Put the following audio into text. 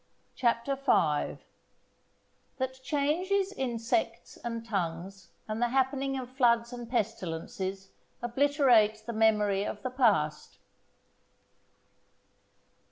CHAPTER V.—That changes in Sects and Tongues, and the happening of Floods and Pestilences, obliterate the Memory of the Past.